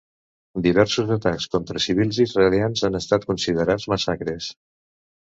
Diversos atacs contra civils israelians han estat considerats massacres.